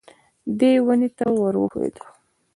دی ونې ته ور وښوېد.